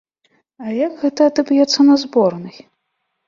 А як гэта адаб'ецца на зборнай?